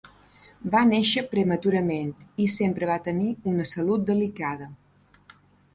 Va nàixer prematurament i sempre va tenir una salut delicada.